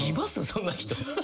そんな人。